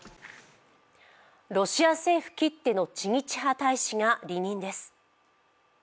ロシア政府きっての知日派大使が離任です。